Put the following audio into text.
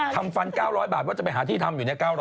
ทำฟัน๙๐๐บาทว่าจะไปหาที่ทำอยู่ใน๙๐๐